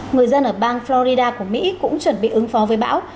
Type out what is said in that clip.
người dân ở bang florida của mỹ cũng chuẩn bị ứng phó với bão